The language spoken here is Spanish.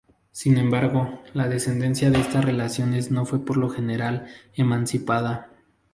Sin embargo, la descendencia de estas relaciones no fue por lo general emancipada.